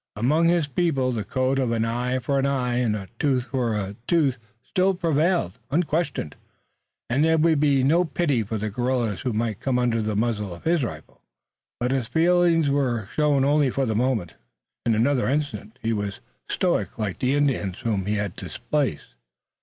Among his people the code of an eye for an eye and a tooth for a tooth still prevailed, unquestioned, and there would be no pity for the guerrilla who might come under the muzzle of his rifle. But his feelings were shown only for the moment. In another instant, he was a stoic like the Indians whom he had displaced.